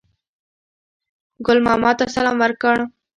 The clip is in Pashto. ګل ماما ته سلام ورکړ.